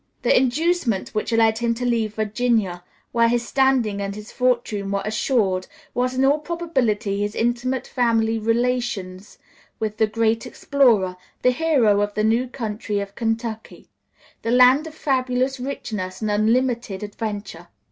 The inducement which led him to leave Virginia, where his standing and his fortune were assured, was, in all probability, his intimate family relations with the great explorer, the hero of the new country of Kentucky, the land of fabulous richness and unlimited adventure.